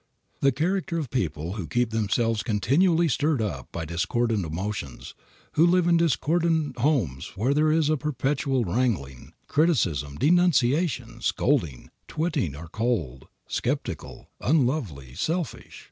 The character of people who keep themselves continually stirred up by discordant emotions, who live in discordant homes where there is perpetual wrangling, criticism, denunciation, scolding, twitting are cold, skeptical, unlovely, selfish.